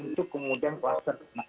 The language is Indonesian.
untuk kemudian kluster